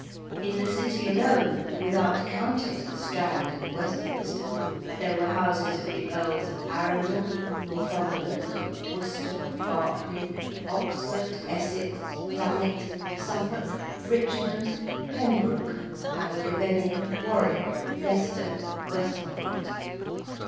In the City alone, without counting the Strand and Westminster, there were houses of the Earls of Arundel, Northumberland, Worcester, Berkeley, Oxford, Essex, Thanet, Suffolk, Richmond, Pembroke, Abergavenny, Warwick, Leicester, Westmoreland.